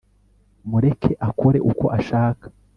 mureke akore uko ashaka